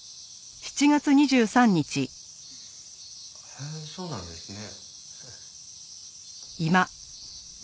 へえそうなんですね。